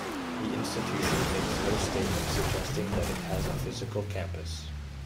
The institution makes no statement suggesting that it has a physical campus.